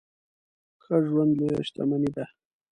ښه ژوند لويه شتمني ده.